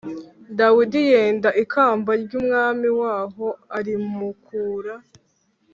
Dawidi yenda ikamba ry umwami waho arimukura